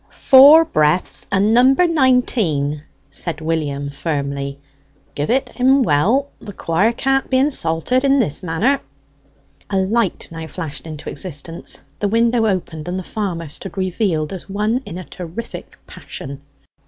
"Four breaths, and number nineteen!" said William firmly. "Give it him well; the quire can't be insulted in this manner!" A light now flashed into existence, the window opened, and the farmer stood revealed as one in a terrific passion.